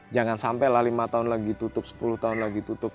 jangan sampai lah lima tahun lagi tutup sepuluh tahun lagi tutup